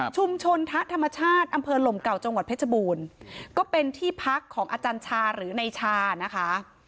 ทะธรรมชาติอำเภอหลมเก่าจังหวัดเพชรบูรณ์ก็เป็นที่พักของอาจารย์ชาหรือในชานะคะ